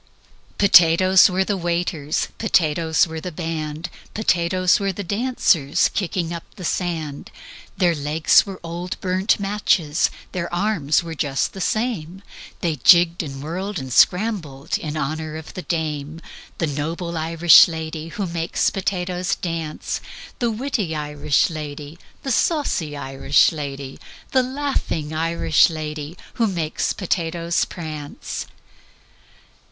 "Potatoes were the waiters, Potatoes were the band, Potatoes were the dancers Kicking up the sand: Their legs were old burnt matches, Their arms were just the same, They jigged and whirled and scrambled In honor of the dame: The noble Irish lady Who makes potatoes dance, The witty Irish lady, The saucy Irish lady, The laughing Irish lady Who makes potatoes prance.